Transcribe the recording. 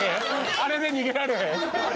あれで逃げられへん？